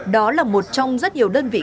đó là một trong rất nhiều đơn vị